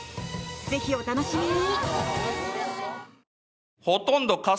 ぜひ、お楽しみに！